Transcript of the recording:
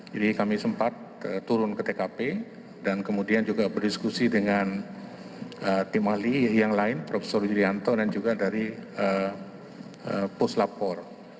jadi kami sempat turun ke tkp dan kemudian juga berdiskusi dengan tim ahli yang lain prof julianto dan juga dari puslapor